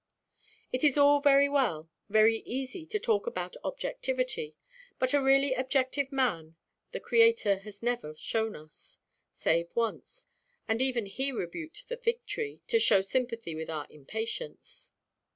It is all very well, very easy, to talk about objectivity; but a really objective man the Creator has never shown us, save once; and even He rebuked the fig–tree, to show sympathy with our impatience.